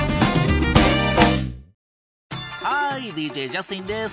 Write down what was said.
ハーイＤＪジャスティンです。